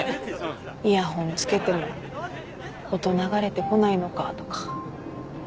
イヤホンつけても音流れてこないのかとか。